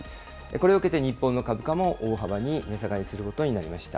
これを受けて日本の株価も大幅に値下がりすることになりました。